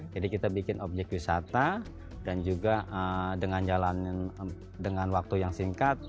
jadi kita bikin objek wisata dan juga dengan jalan dengan waktu yang singkat